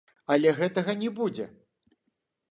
Але гэтага не будзе!